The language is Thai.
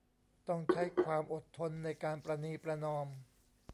ต้องใช้ความอดทนในการประนีประนอม